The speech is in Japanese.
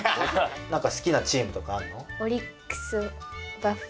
なんか好きなチームとかあるの？